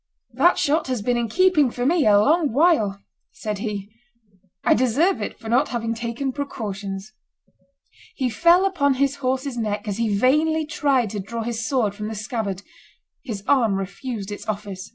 "That shot has been in keeping for me a long while," said he: "I deserve it for not having taken precautions." He fell upon his horse's neck, as he vainly tried to draw his sword from the scabbard; his arm refused its office.